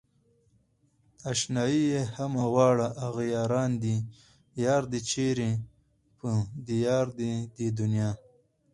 اشنايان يې همه واړه اغياران دي يار دئ چيرې په ديار د دې دنيا